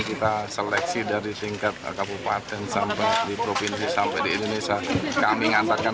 kita seleksi dari tingkat kabupaten sampai di provinsi sampai di indonesia kami ngantarkan